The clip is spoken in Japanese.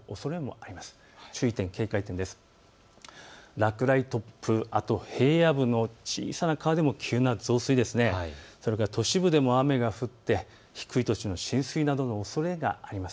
落雷、突風、平野部の小さな川でも危険な増水、都市部でも雨が降って低い土地の浸水などのおそれがあります。